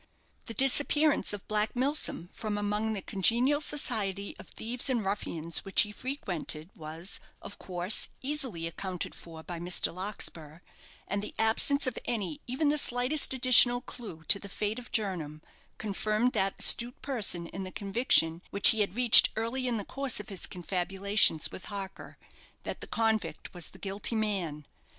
The disappearance of Black Milsom from among the congenial society of thieves and ruffians which he frequented was, of course, easily accounted for by Mr. Larkspur, and the absence of any, even the slightest, additional clue to the fate of Jernam, confirmed that astute person in the conviction, which he had reached early in the course of his confabulations with Harker, that the convict was the guilty man.